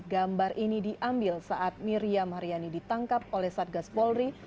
gambar ini diambil saat miriam haryani ditangkap oleh satgas polri